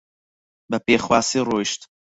بە پێخواسی ڕۆیشت